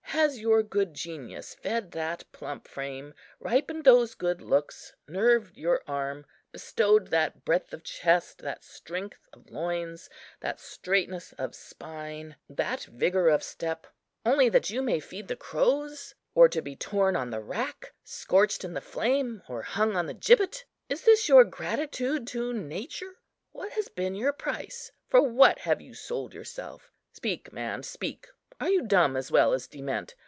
has your good genius fed that plump frame, ripened those goods looks, nerved your arm, bestowed that breadth of chest, that strength of loins, that straightness of spine, that vigour of step, only that you may feed the crows? or to be torn on the rack, scorched in the flame, or hung on the gibbet? is this your gratitude to nature? What has been your price? for what have you sold yourself? Speak, man, speak. Are you dumb as well as dement?